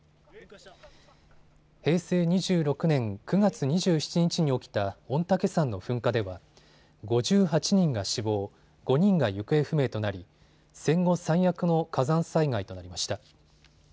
平成２６年９月２７日に起きた御嶽山の噴火では５８人が死亡、５人が行方不明となり、戦後最悪の火山災害となりました。